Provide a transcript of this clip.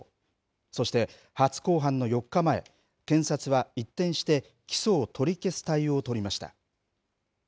そして、初公判の４日前、検察は一転して、起訴を取り消す対応を取りました。